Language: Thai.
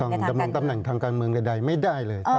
ดำรงตำแหน่งทางการเมืองใดไม่ได้เลย